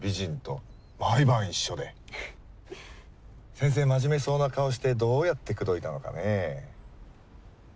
先生真面目そうな顔してどうやって口説いたのかねえ。